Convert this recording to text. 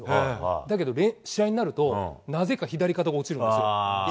だけど試合になると、なぜか左肩が落ちるんですよ。